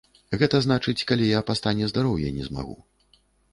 Гэта значыць, калі я па стане здароўя не змагу.